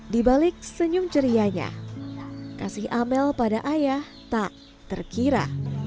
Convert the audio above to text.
di balik senyum cerianya kasih amel pada ayah tak terkira